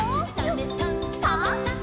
「サメさんサバさん」